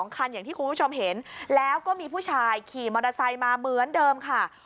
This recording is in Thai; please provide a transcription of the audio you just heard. คันอย่างที่คุณผู้ชมเห็นแล้วก็มีผู้ชายขี่มอเตอร์ไซค์มาเหมือนเดิมค่ะ